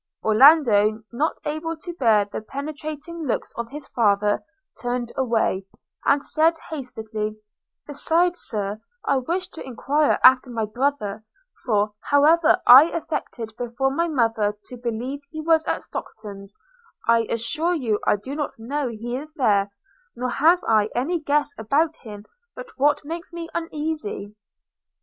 – Orlando, not able to bear the penetrating looks of his father, turned away, and said hastily – 'Besides, Sir, I wish to enquire after my brother – for, however I affected before my mother to believe he was at Stockton's, I assure you I do not know he is there, nor have I any guess about him but what makes me uneasy.'